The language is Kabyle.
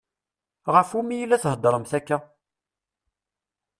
Ɣef umi i la theddṛemt akka?